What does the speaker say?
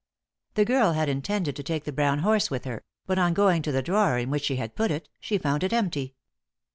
The girl had intended to take the brown horse with her; but on going to the drawer in which she had put it she found it empty.